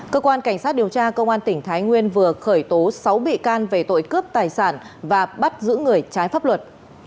cơ quan cảnh sát điều tra công an tỉnh thái nguyên vừa khởi tố sáu bị can về tội cướp tài sản và bắt giữ người trái pháp luật